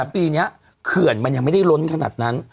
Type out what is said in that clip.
ปีนี้เขื่อนมันยังไม่ได้ล้นขนาดนั้น